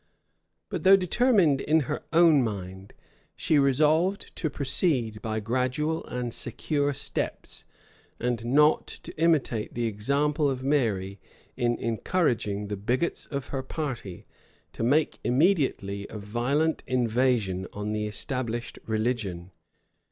But though determined in her own mind, she resolved to proceed by gradual and secure steps, and not to imitate the example of Mary in encouraging the bigots of her party to make immediately a violent invasion on the established religion.